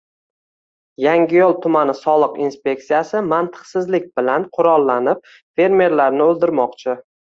— Yangiyo‘l tumani soliq inspeksiyasi mantiqsizlik bilan qurollanib, fermerlarni «o‘ldirmoqchi».